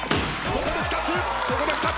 ここで２つ！